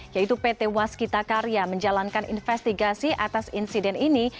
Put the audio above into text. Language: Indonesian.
yaitu pt waskita karya menjalankan investigasi atas insiden ini